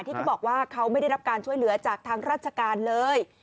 เขาบอกว่าเขาไม่ได้รับการช่วยเหลือจากทางราชการเลย